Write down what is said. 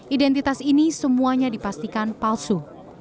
identitas ini semuanya dipastikan palsu